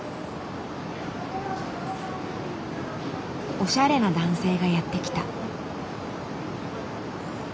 おしゃれな男性がやって来た。